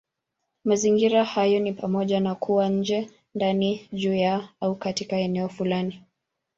Mazingira hayo ni pamoja na kuwa nje, ndani, juu ya, au katika eneo fulani.